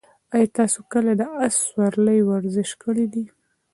ایا تاسي کله د اس سورلۍ ورزش کړی دی؟